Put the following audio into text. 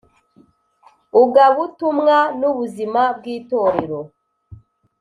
ugabutumwa n ubuzima bw Itorero